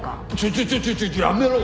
ちょちょちょちょやめろ！